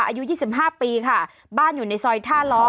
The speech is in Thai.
อายุ๒๕ปีค่ะบ้านอยู่ในซอยท่าล้อ